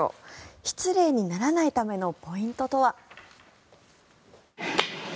失礼にならないためのポイントとは。